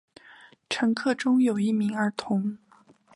乘客中有一名儿童。